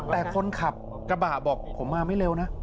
แต่คนขับกระบะบอกผมมาไม่เร็วนะ